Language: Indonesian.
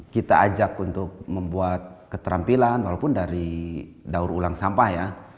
kita ajak untuk membuat keterampilan walaupun dari daur ulang sampah ya